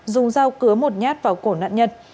dùng dao cứa một nhát vào cổ nạn nhật